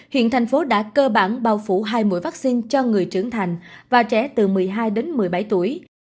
hiện thành phố đã cơ bản bao phủ hai mũi vaccine cho người trưởng thành và trẻ từ một mươi hai đến một mươi bảy tuổi